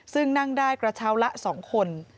ซึ่งนั่งได้กระเช้าละ๒คน